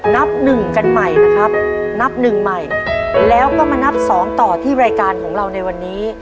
นับหนึ่งกันใหม่นะครับนับหนึ่งใหม่แล้วก็มานับสองต่อที่รายการของเราในวันนี้